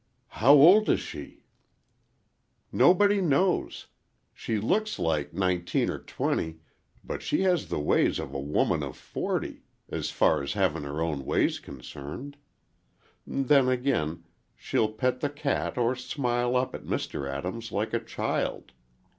"How old is she?" "Nobody knows. She looks like nineteen or twenty, but she has the ways of a woman of forty,—as far's having her own way's concerned. Then again, she'll pet the cat or smile up at Mr. Adams like a child.